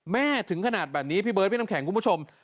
ถึงขนาดแบบนี้พี่เบิร์ดพี่น้ำแข็งคุณผู้ชม